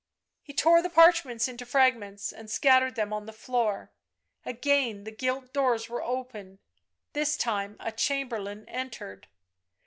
He tore the parchments into fragments and scattered them on the floor. Again the gilt doors were opened, this time a chamberlain entered.